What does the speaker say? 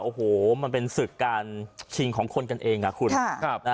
โอ้โหมันเป็นศึกการชิงของคนกันเองคุณ